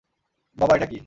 বাবা, এটা কি?